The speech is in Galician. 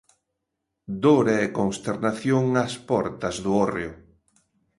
Dor e consternación ás portas do Hórreo.